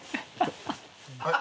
はい。